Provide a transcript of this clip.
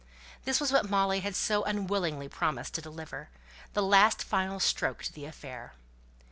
This was what Molly had so unwillingly promised to deliver the last final stroke to the affair.